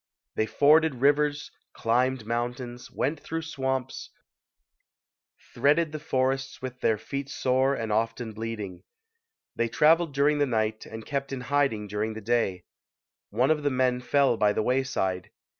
They forded rivers, climbed mountains, went through the swamps, threaded the forests with their feet sore and often bleeding. They traveled during the night and kept in hiding during the day. One of the men fell by the wayside.